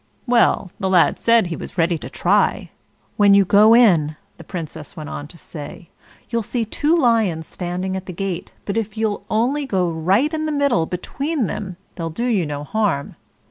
Well, the lad said he was ready to try. "When you go in," the Princess went on to say, "you'll see two lions standing at the gate; but if you'll only go right in the middle between them they'll do you no harm.